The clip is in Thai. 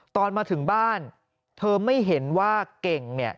ตอนมาถึงบ้านเธอไม่เห็นว่าเก่งเนี่ย